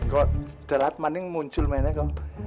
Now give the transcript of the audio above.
kok derat maning muncul meneh kok